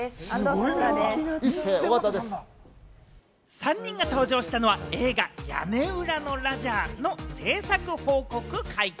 ３人が登場したのは映画『屋根裏のラジャー』の製作報告会見。